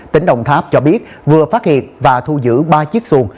tỉnh đồng tháp cho biết vừa phát hiện và thu giữ ba chiếc xuồng